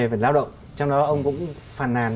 về lao động trong đó ông cũng phàn nàn